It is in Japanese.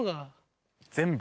全部。